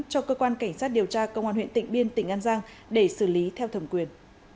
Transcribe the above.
cho cơ quan cảnh sát điều tra công an huyện tịnh biên tỉnh an giang để xử lý theo thẩm quyền